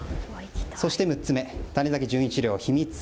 そして６つ目谷崎潤一郎「秘密」。